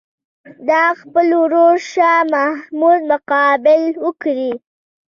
د خپل ورور شاه محمود مقابله وکړي.